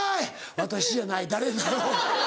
「私じゃない誰なの？」。